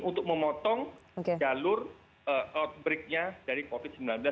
untuk memotong jalur outbreak nya dari covid sembilan belas